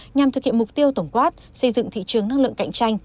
nhằm thực hiện mục tiêu tổng quát xây dựng thị trường năng lượng cạnh tranh